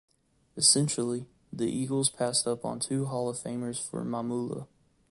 Essentially, the Eagles passed up on two Hall of Famers for Mamula.